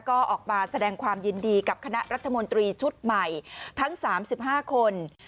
ก็ออกมาแสดงความยินดีกับคณะรัฐมนตรีชุดใหม่ทั้ง๓๕คน